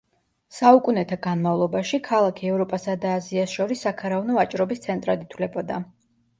საუკუნეთა განმავლობაში ქალაქი ევროპასა და აზიას შორის საქარავნო ვაჭრობის ცენტრად ითვლებოდა.